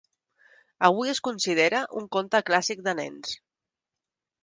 Avui es considera un conte clàssic de nens.